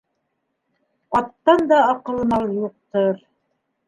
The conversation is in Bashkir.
Аттан да аҡыллы мал юҡтыр.